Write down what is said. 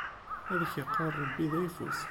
Ad k-iqqen Ṛebbi d ayeffus!